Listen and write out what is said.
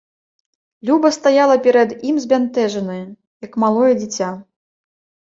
Люба стаяла перад ім збянтэжаная, як малое дзіця.